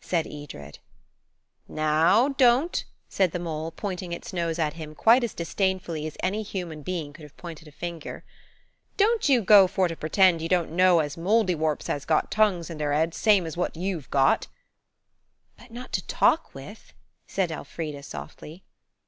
said Edred. "Now, don't," said the mole, pointing its nose at him quite as disdainfully as any human being could have pointed a finger. "Don't you go for to pretend you don't know as Mouldiwarps 'as got tongues in dere heads same's what you've got." "But not to talk with?" said Elfrida softly.